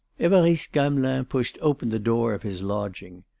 Évariste Gamelin pushed open the door of his lodging.